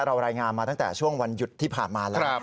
รายงานมาตั้งแต่ช่วงวันหยุดที่ผ่านมาแล้ว